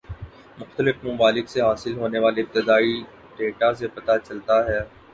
مختلف ممالک سے حاصل ہونے والے ابتدائی دیتا سے پتہ چلتا ہے